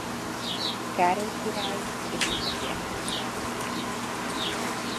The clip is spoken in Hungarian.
Károly király és Zita királyné portréját.